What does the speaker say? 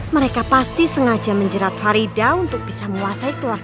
mereka pasti sengaja menjerat farida untuk bisa menguasai keluarga